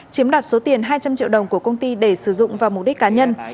chiếm đoạt số tiền hai trăm linh triệu đồng của công ty để sử dụng vào mục đích cá nhân